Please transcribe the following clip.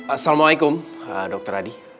assalamualaikum dokter adi